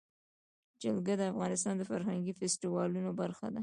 جلګه د افغانستان د فرهنګي فستیوالونو برخه ده.